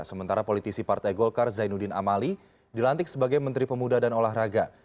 sementara politisi partai golkar zainuddin amali dilantik sebagai menteri pemuda dan olahraga